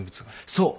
そう。